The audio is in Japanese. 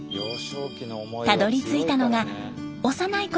たどりついたのが幼いころ